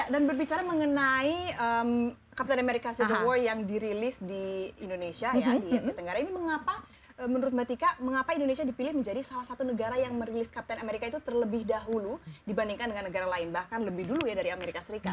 dan berbicara mengenai captain america the war yang dirilis di indonesia ya di asia tenggara ini mengapa menurut mba tika mengapa indonesia dipilih menjadi salah satu negara yang merilis captain america itu terlebih dahulu dibandingkan dengan negara lain bahkan lebih dulu ya dari amerika serikat